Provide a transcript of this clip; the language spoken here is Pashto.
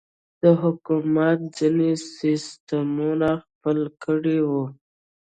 د حکومت ځينې سسټمونه خپل کړي وو.